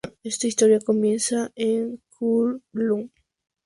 Esta historia comienza en Kunlun.